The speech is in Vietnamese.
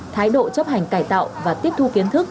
thái độ chấp hành cải tạo và tiếp thu kiến thức